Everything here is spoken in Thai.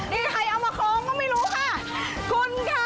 นี่ใครเอามาคล้องก็ไม่รู้ค่ะคุณค่ะ